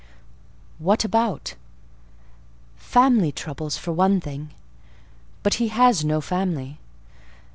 "What about?" "Family troubles, for one thing." "But he has no family."